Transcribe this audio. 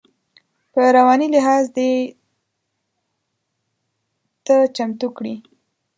په رواني لحاظ دې ته چمتو کړي.